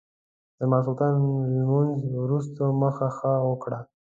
د ماسخوتن لمونځ وروسته مخه ښه وکړه.